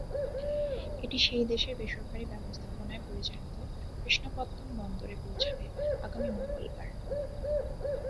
এটি সেই দেশের বেসরকারি ব্যবস্থাপনায় পরিচালিত কৃষ্ণপত্তম বন্দরে পৌঁছাবে আগামী মঙ্গলবার।